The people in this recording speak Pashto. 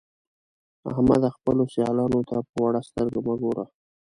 احمده! خپلو سيالانو ته په وړه سترګه مه ګوه.